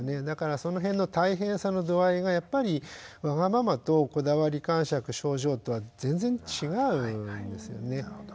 だからその辺の大変さの度合いがやっぱりわがままとこだわりかんしゃく症状とは全然違うんですね。